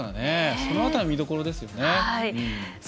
その辺りが見どころです。